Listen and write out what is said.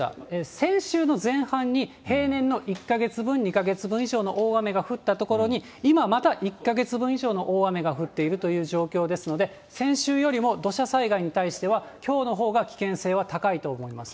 先週の前半に平年の１か月分、２か月分以上の大雨が降った所に、今また１か月分以上の大雨が降っているという状況ですので、先週よりも土砂災害に対しては、きょうのほうが危険性は高いと思います。